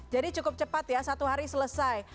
jadi cukup cepat ya satu hari selesai